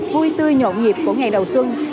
vui tươi nhộn nhịp của ngày đầu xuân